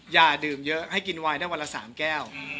อย่าดื่มเยอะให้กินวายได้วันละ๓แก้ว